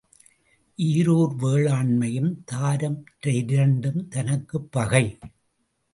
ஈரூர் வேளாண்மையும் தாரம் இரண்டும் தனக்குப் பகை.